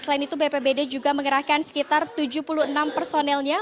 selain itu bpbd juga mengerahkan sekitar tujuh puluh enam personelnya